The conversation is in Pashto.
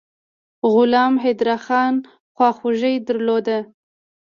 غلام حیدرخان خواخوږي درلوده.